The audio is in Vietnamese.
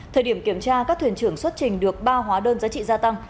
thời điểm kiểm tra các thuyền trưởng xuất trình được ba hóa đơn giá trị gia tăng